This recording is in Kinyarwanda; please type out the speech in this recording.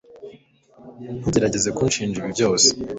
ntugerageze kunshinja ibi byose